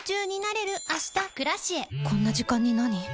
こんな時間になに？